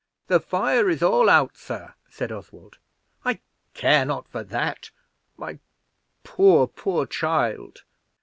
"The fire is all out, sir," said Oswald. "I care not for that. My poor, poor child!"